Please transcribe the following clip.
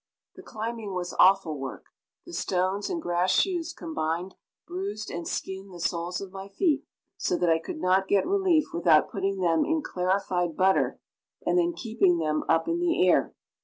The climbing was awful work. The stones and grass shoes combined bruised and skinned the soles of my feet, so that I could not get relief without putting them in clarified butter and then keeping them up in the air.